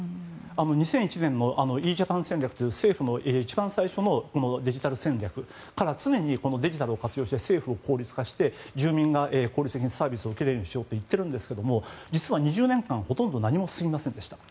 ２００１年のｅ‐Ｊａｐａｎ戦略という政府の一番最初のデジタル戦略から常にデジタルを活用して政府を効率化して住民が効率的にサービスを受けられるようにしようと言っているんですが実は２０年間、ほとんど何も進みませんでした。